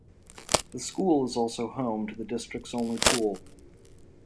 The school is also home to the districts only pool.